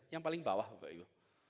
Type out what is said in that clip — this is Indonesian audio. yang paling bawah bapak ibu